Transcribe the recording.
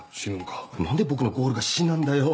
何で僕のゴールが死なんだよ。